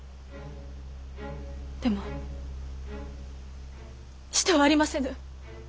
でもしとうありませぬ！